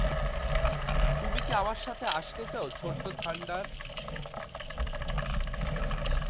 তুমি কি আমার সাথে আসতে চাও, ছোট্ট থান্ডার?